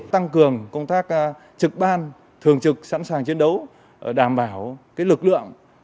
tăng cường công tác trực ban thường trực sẵn sàng chiến đấu đảm bảo lực lượng